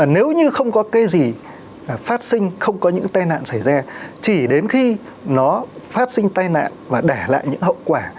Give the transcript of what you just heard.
nếu như không có cái gì phát sinh không có những cái tai nạn xảy ra chỉ đến khi nó phát sinh tai nạn và để lại những hậu quả